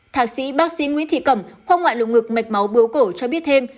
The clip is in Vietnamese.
thạc sĩ bác sĩ nguyễn thị cẩm khoa ngoại lồng ngực mạch máu bướu cổ cho biết thêm